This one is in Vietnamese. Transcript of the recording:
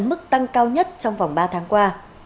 mức tăng cao nhất trong vòng ba tháng qua